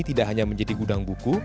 tidak hanya menjadi gudang buku